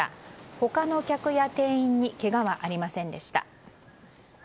他の客や店員にけがはありませんでした。